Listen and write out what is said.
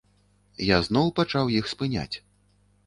Я зноў пачаў іх спыняць.